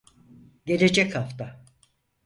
Gelecek hafta.